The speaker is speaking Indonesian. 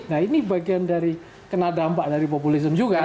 nah ini bagian dari kena dampak dari populisme juga